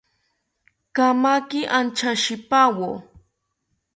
Kamaki anchashipawo